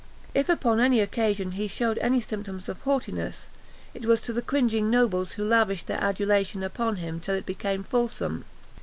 If upon any occasion he shewed any symptoms of haughtiness, it was to the cringing nobles who lavished their adulation upon him till it became fulsome.